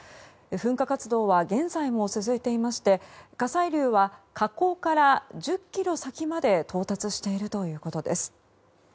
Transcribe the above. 噴火活動は現在も続いていまして火砕流は火口から１０ｋｍ先まで到達しているということです。